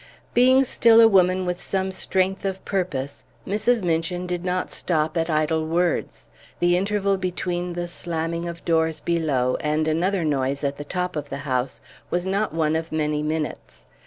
Being still a woman with some strength of purpose, Mrs. Minchin did not stop at idle words. The interval between the slamming of doors below and another noise at the top of the house was not one of many minutes.